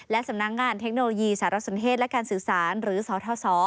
และสำนักงานเทคโนโลยีสารสนเทศและการสื่อสารหรือสท